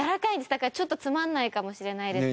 だからちょっとつまんないかもしれないですね。